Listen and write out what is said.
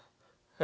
え？